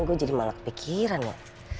gue jadi malah kepikiran loh